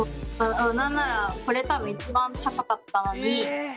何ならこれ多分一番高かったのに。